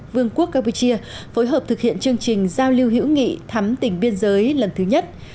vương quốc campuchia phối hợp thực hiện chương trình giao lưu hữu nghị thắm tỉnh biên giới lần thứ nhất